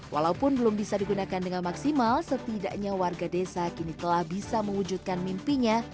walaupun belum bisa digunakan dengan maksimal setidaknya warga desa kini telah bisa mewujudkan mimpinya